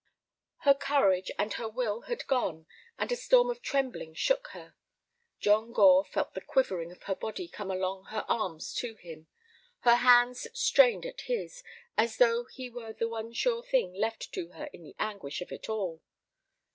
Her courage and her will had gone, and a storm of trembling shook her. John Gore felt the quivering of her body coming along her arms to him. Her hands strained at his, as though he were the one sure thing left to her in the anguish of it all.